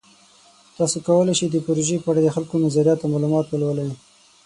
تاسو کولی شئ د پروژې په اړه د خلکو نظریات او معلومات ولولئ.